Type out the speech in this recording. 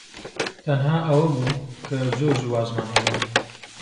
تەنها ئەوە بوو کە زۆر زوو وازمان هێنا.